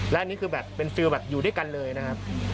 และนี่เป็นความรู้สึกอยู่ด้วยกันเลยนะครับ